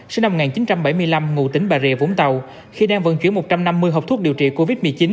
sinh năm một nghìn chín trăm bảy mươi năm ngụ tỉnh bà rịa vũng tàu khi đang vận chuyển một trăm năm mươi hộp thuốc điều trị covid một mươi chín